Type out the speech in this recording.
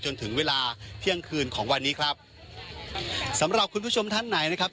จนถึงเวลาเที่ยงคืนของวันนี้ครับสำหรับคุณผู้ชมท่านไหนนะครับ